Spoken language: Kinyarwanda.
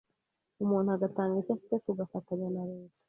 umuntu agatanga icyo afite tugafatanya na Leta